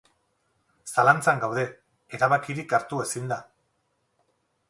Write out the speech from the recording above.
Zalantzan gaude, erabakirik hartu ezinda.